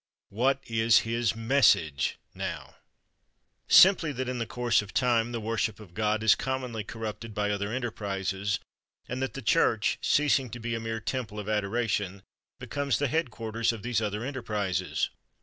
What is his Message now? Simply that in the course of time, the worship of God is commonly corrupted by other enterprises, and that the church, ceasing to be a mere temple of adoration, becomes the headquarters of these other enterprises.